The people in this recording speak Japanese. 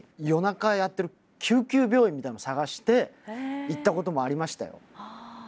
夜中やってる救急病院みたいの探して行ったこともありましたよ。